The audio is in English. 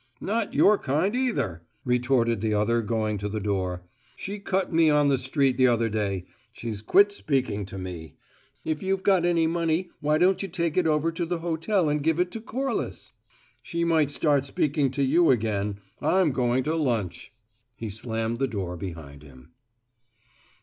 "Not your kind either," retorted the other going to the door. "She cut me on the street the other day; she's quit speaking to me. If you've got any money, why don't you take it over to the hotel and give it to Corliss? She might start speaking to you again. I'm going to lunch!" He slammed the door behind him.